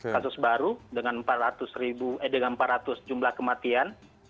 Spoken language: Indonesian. kasus baru dengan empat ratus jumlah kematian